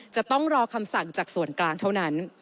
จะต้องรอคำสั่งจากส่วนกลางเท่านั้น